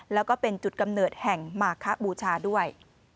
แล้วก็เป็นจุดกำเนิดแห่งมาคบูชาด้วย